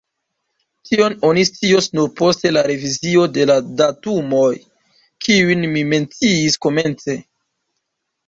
Tion oni scios nur post la revizio de la datumoj, kiujn mi menciis komence.